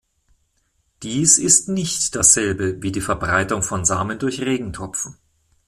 Dies ist nicht dasselbe wie die Verbreitung von Samen durch Regentropfen.